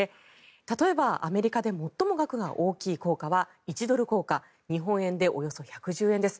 例えば、アメリカで最も額が大きい硬貨は１ドル硬貨日本円でおよそ１１０円です。